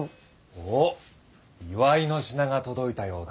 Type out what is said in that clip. おぉ祝いの品が届いたようだ。